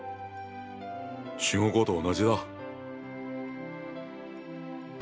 中国語と同じだ。